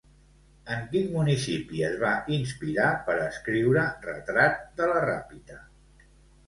En quin municipi es va inspirar per escriure Retrat de la Ràpita?